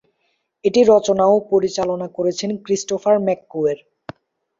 এটি রচনা ও পরিচালনা করেছেন ক্রিস্টোফার ম্যাককুয়ের।